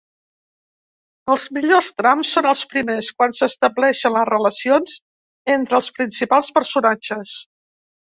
Els millors trams són els primers, quan s'estableixen les relacions entre els principals personatges.